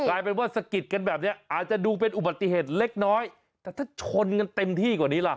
กลายเป็นว่าสะกิดกันแบบนี้อาจจะดูเป็นอุบัติเหตุเล็กน้อยแต่ถ้าชนกันเต็มที่กว่านี้ล่ะ